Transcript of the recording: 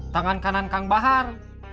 tangan kanan kang bahar